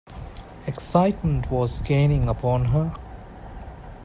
Excitement was gaining upon her.